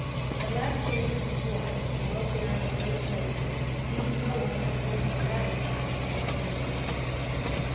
At last they entered the forest and rode therein a great way, meeting no one till toward the latter part of the afternoon.